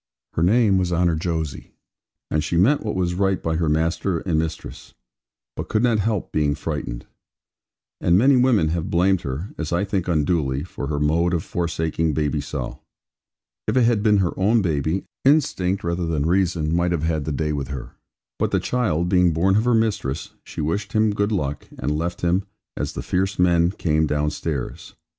Her name was Honour Jose, and she meant what was right by her master and mistress; but could not help being frightened. And many women have blamed her, as I think unduly, for her mode of forsaking baby so. If it had been her own baby, instinct rather than reason might have had the day with her; but the child being born of her mistress, she wished him good luck, and left him, as the fierce men came downstairs.